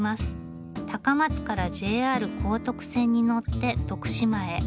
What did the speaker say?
高松からＪＲ高徳線に乗って徳島へ。